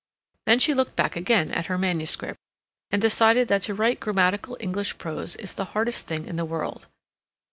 Then she looked back again at her manuscript, and decided that to write grammatical English prose is the hardest thing in the world.